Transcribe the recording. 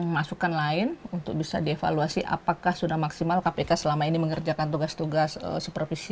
masukan lain untuk bisa dievaluasi apakah sudah maksimal kpk selama ini mengerjakan tugas tugas supervisi